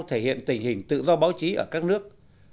thể hiện tình hình tự do báo chí ở các nước